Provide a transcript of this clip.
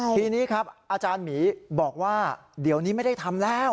ทีนี้ครับอาจารย์หมีบอกว่าเดี๋ยวนี้ไม่ได้ทำแล้ว